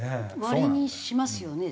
割にしますよね。